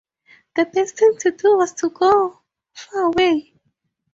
The best thing to do was to go far away.